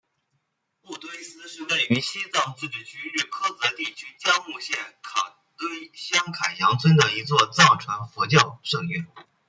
布堆寺是位于西藏自治区日喀则地区江孜县卡堆乡凯扬村的一座藏传佛教寺院。